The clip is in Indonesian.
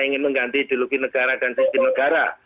ingin mengganti ideologi negara dan sistem negara